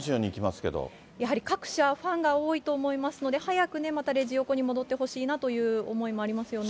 やはり各社、ファンが多いと思いますので、早くね、またレジ横に戻ってほしいなという思いもありますよね。